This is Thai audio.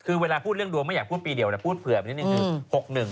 คือเวลาพูดเรื่องดวงไม่อยากพูดปีเดียวนะพูดเผื่อไปนิดนึงคือ๖๑